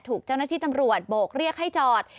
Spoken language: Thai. ถูกเจ้าหน้าที่ตำรวจโบกเรียกให้จอด